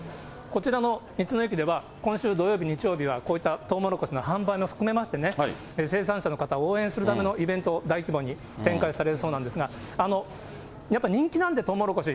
こちらの道の駅では今週土曜日、日曜日は、こういったとうもろこしの販売も含めまして、生産者の方を応援するためのイベント、大規模に展開されるそうなんですが、やっぱり人気なんで、とうもろこし。